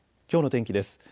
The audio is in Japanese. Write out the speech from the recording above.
きょうの天気です。